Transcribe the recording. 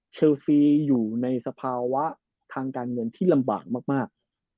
เชลซีอยู่ในสภาวะทางการเงินที่ลำบากมาก